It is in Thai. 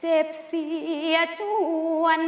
เจ็บเสียชวน